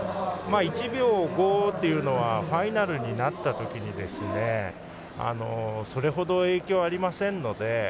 １秒５というのはファイナルになったときにそれほど影響はありませんので。